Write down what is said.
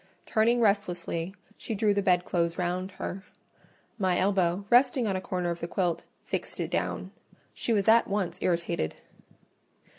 Turning restlessly, she drew the bedclothes round her; my elbow, resting on a corner of the quilt, fixed it down: she was at once irritated.